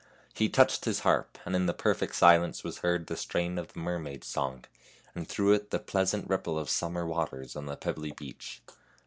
He touched his harp, and in the perfect silence was heard the strain of the mermaid's song, and through it the pleasant ripple of summer waters on the pebbly beach.